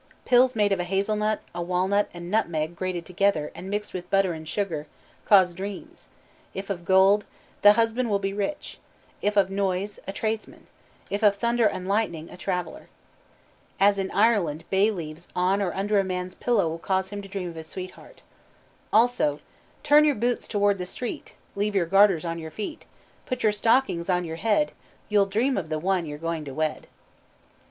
Pills made of a hazelnut, a walnut, and nutmeg grated together and mixed with butter and sugar cause dreams: if of gold, the husband will be rich; if of noise, a tradesman; if of thunder and lightning, a traveler. As in Ireland bay leaves on or under a man's pillow cause him to dream of his sweetheart. Also "Turn your boots toward the street, Leave your garters on your feet, Put your stockings on your head, You'll dream of the one you're going to wed."